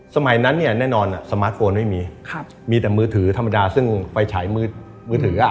สมัยนั้นเนี่ยแน่นอนสมาร์ทโฟนไม่มีมีแต่มือถือธรรมดาซึ่งไฟฉายมือถือ